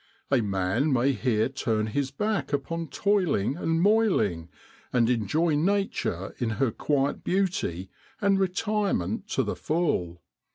A man may here turn his back upon toiling and moiling, and enjoy Nature in her quiet beauty and retirement to the full.